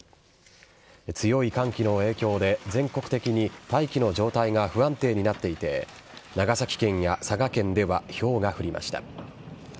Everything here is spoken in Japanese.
強い寒気の影響で、全国的に大気の状態が不安定になっていて長崎県や佐賀県ではひょうが降りました。